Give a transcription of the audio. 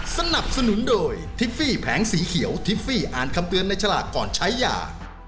สนับสนุนโดยทิฟฟี่แผงสีเขียวทิฟฟี่อ่านคำเตือนในฉลากก่อนใช้ยา